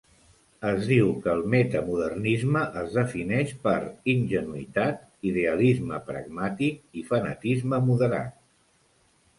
Es diu que el metamodernisme es defineix per "ingenuïtat", "idealisme pragmàtic" i "fanatisme moderat".